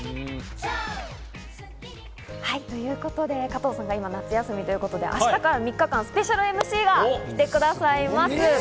加藤さんが夏休みということで、明日から３日間、スペシャルＭＣが来てくださいます。